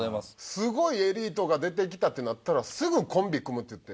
すごいエリートが出てきたってなったらすぐコンビ組むっていって。